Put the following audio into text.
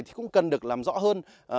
thì cũng cần được làm rõ hơn